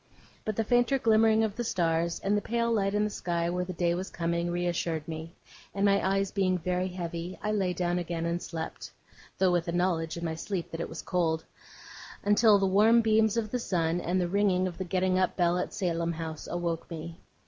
But the fainter glimmering of the stars, and the pale light in the sky where the day was coming, reassured me: and my eyes being very heavy, I lay down again and slept though with a knowledge in my sleep that it was cold until the warm beams of the sun, and the ringing of the getting up bell at Salem House, awoke me.